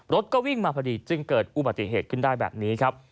รถก็วิ่งมาพอดีจึงเกิดอุบัติเหตุขึ้นได้แบบนี้ครับ